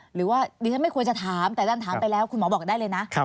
หรือว่าดิฉันไม่ควรจะถามแต่ดันถามไปแล้วคุณหมอบอกได้เลยนะ